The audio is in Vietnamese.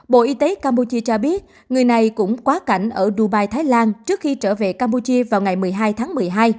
bộ y tế campuchia cho biết người này cũng quá cảnh ở dubai thái lan trước khi trở về campuchia vào ngày một mươi hai tháng một mươi hai